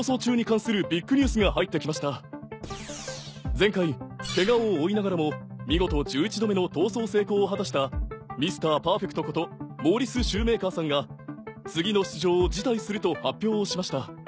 前回ケガを負いながらも見事１１度目の逃走成功を果たしたミスター・パーフェクトことモーリスシューメーカーさんが次の出場を辞退すると発表をしました。